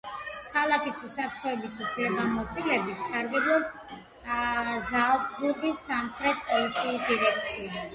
ქალაქის უსაფრთხოების უფლებამოსილებით სარგებლობს ზალცბურგის სამხარეო პოლიციის დირექცია.